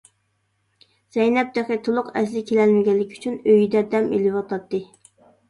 زەينەپ تېخى تولۇق ئەسلىگە كېلەلمىگەنلىكى ئۈچۈن ئۆيىدە دەم ئېلىۋاتاتتى.